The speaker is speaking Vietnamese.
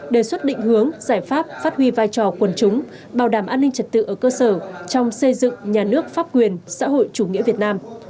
đề xuất định hướng giải pháp phát huy vai trò quần chúng bảo đảm an ninh trật tự ở cơ sở trong xây dựng nhà nước pháp quyền xã hội chủ nghĩa việt nam